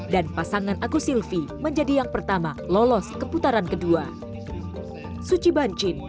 dan pasangan agus silvi menjadi yang pertama lolos ke putaran kedua